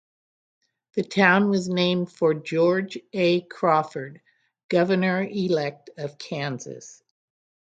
The town was named for George A. Crawford, governor-elect of Kansas.